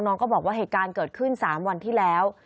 น้องก็บอกว่าเหตุการณ์เกิดขึ้น๓วันที่แล้ว